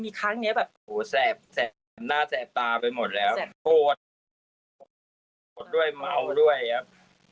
มีครั้งเนี้ยแบบโหแสบหน้าแสบตาไปหมดแล้วโกรธด้วยเมาด้วยครับ